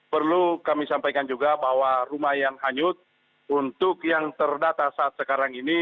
perlu kami sampaikan juga bahwa rumah yang hanyut untuk yang terdata saat sekarang ini